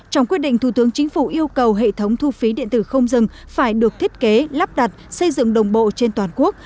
trong quyết định thủ tướng chính phủ yêu cầu hệ thống thu phí điện tử không dừng phải được thiết kế lắp đặt xây dựng đồng bộ trên toàn quốc